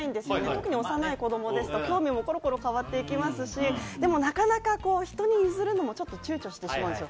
特に幼い子供ですと興味もころころ変わっていきますし、でも、なかなか人に譲るのもちょっとちゅうちょしてしまうんですよ。